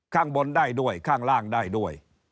ข้างบนได้ด้วยข้างล่างได้ด้วย